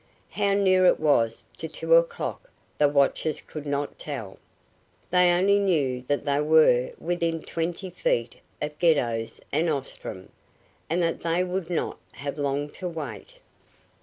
How near it was to two o'clock the watchers could not tell. They only knew that they were within twenty five feet of Geddos and Ostrom, and that they would not have long to wait.